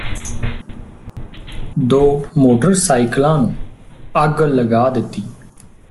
ਦੋ ਮੋਟਰਸਾਇਕਲਾਂ ਨੂੰ ਅੱਗ ਲਗਾ ਦਿੱਤੀ